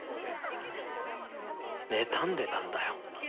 妬んでたんだよ。